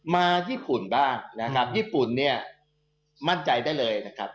มาญี่ปุ่นบ้างนะครับญี่ปุ่นเนี่ยมั่นใจได้เลยนะครับ